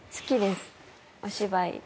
お芝居。